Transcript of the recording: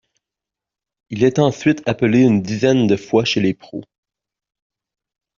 Il est ensuite appelé une dizaine de fois chez les pros.